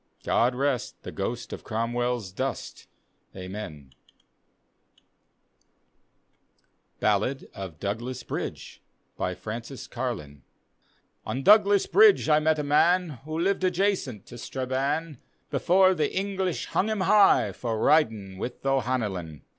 God rest the ghost of Cromwell's dust, Amcnl BALLAD OF DOUGLAS BRIDGE : pnANcas carlin On Douglas Bridge I met a man Who lived adjacent to Straban, Before the English hung hun higji For riding with O'Hanlon.